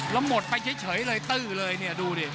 แล้วหมดไปเฉยเลยตื้อเลยเนี่ยดูดิ